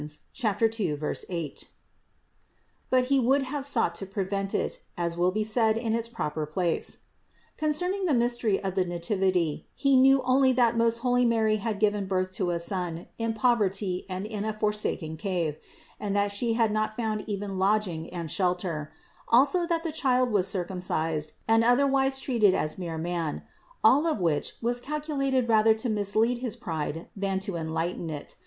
2, 8), but he would have sought to prevent it, as will be said in its proper place (Vol. Ill, 494, 540, 613). Concerning the mystery of the Nativity he knew only that most holy Mary had given birth to a Son in poverty and in a forsaken cave, and that She had not found even lodging and shelter; also that the Child was circumcised and otherwise treated as mere man : all of which was calculated rather to mis lead his pride than to enlighten it.